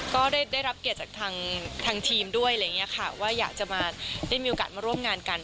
ก็ได้รับเกียรติจากทางทรีมด้วยอยากจะมีโอกาสมาร่วมงานกัน